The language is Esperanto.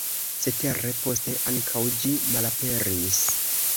Cetere poste ankaŭ ĝi malaperis.